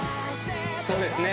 そうですね